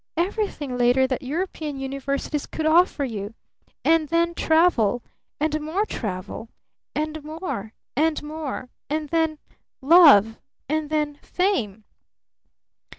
Everything later that European universities could offer you! And then Travel! And more Travel! And more! And more! And then Love! And then Fame!